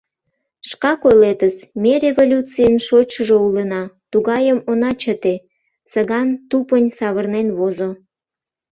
Шкак ойлетыс: ме революцийын шочшыжо улына, тугайым она чыте, — Цыган тупынь савырнен возо.